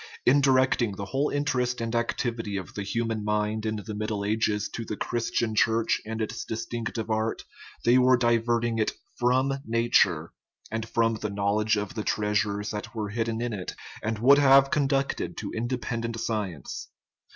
In directing the whole interest and activity of the hu man mind in the Middle Ages to the Christian Church and its distinctive art they were diverting it from nature and from the knowledge of the treasures that were hid den in it, and would have conducted to independent science.